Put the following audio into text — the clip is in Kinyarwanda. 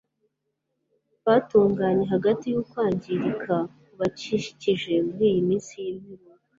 batunganye hagati yukwangirika kubakikije muri iyi minsi yimperuka